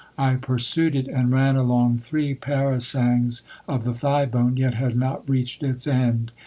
I pursued it and ran along three parasangs of the thigh bone, yet had not reached its end."